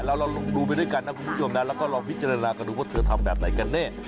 แล้วเราดูไปด้วยกันนะคุณผู้ชมนะแล้วก็ลองพิจารณากันดูว่าเธอทำแบบไหนกันแน่